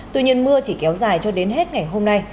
tuy nhiên mưa chỉ kéo dài cho đến hết ngày hôm nay